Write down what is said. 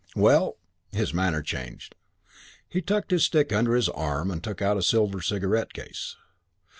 Well " His manner changed. He tucked his stick under his arm and took out a silver cigarette case.